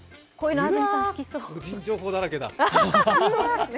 うわー、個人情報だらけだ。